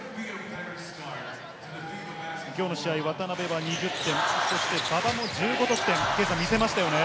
きょうの試合、渡邊は２０点、馬場も１５得点、見せましたよね。